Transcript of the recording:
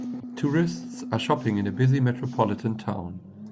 Tourists are shopping in a busy metropolitan town.